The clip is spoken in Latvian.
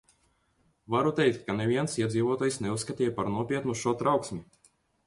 Varu teikt, ka neviens iedzīvotājs neuzskatīja par nopietnu šo trauksmi.